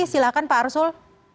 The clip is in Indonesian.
silahkan pak arsul